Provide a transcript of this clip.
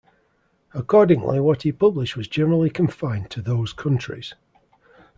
Accordingly what he published was generally confined to those countries.